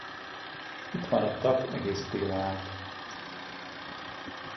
Itt maradtak egész télen át.